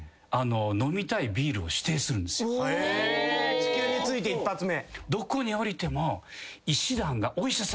地球に着いて一発目？え！